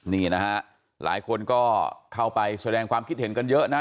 นี่นะฮะหลายคนก็เข้าไปแสดงความคิดเห็นกันเยอะนะ